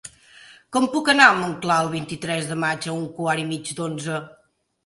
Com puc anar a Montclar el vint-i-tres de maig a un quart i mig d'onze?